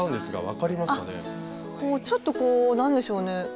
あっちょっとこうなんでしょうね